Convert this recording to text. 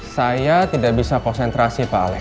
saya tidak bisa konsentrasi pak alex